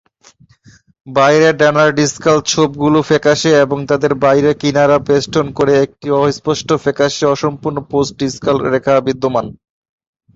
সামনের ডানার ডিসকাল ছোপগুলি ফ্যাকাশে এবং তাদের বাইরের কিনারা বেষ্টন করে একটি অস্পষ্ট ফ্যাকাশে অসম্পূর্ণ পোস্ট-ডিসকাল রেখা বিদ্যমান।